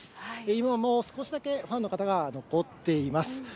今も少しだけファンの方が残っています。